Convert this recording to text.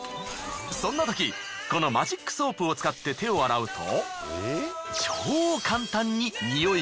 そんなときこのマジックソープを使って手を洗うと。